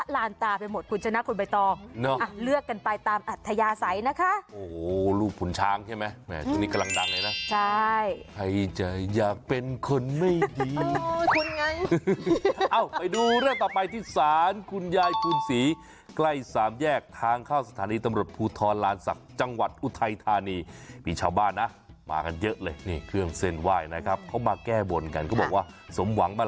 เลือกกันไปตามอัธยาไสนะคะโอ้โหลูกผลช้างใช่ไหมแม่ชุดนี้กำลังดังเลยนะใช่ใครจะอยากเป็นคนไม่ดีเอ้าคุณไงเอ้าไปดูเรื่องต่อไปที่สารคุณยายพูนศรีใกล้สามแยกทางเข้าสถานีตำรวจพูทธรรณภัณฑ์ศักดิ์จังหวัดอุทัยธานีมีชาวบ้านนะมากันเยอะเลยนี่เครื่องเส้นไหว้นะครับเขามาแก้บ่นกันเขาบอกว่าสม